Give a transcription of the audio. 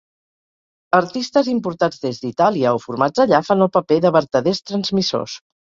Artistes importats des d'Itàlia o formats allà, fan el paper de vertaders transmissors.